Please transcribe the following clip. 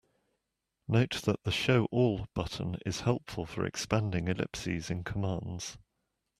Note that the "Show all" button is helpful for expanding ellipses in commands.